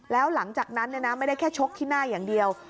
แล้วหลังจากนั้นไม่ได้แค่ชกที่หน้าอย่างเดียว